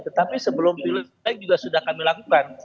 tetapi sebelum pilpres juga sudah kami lakukan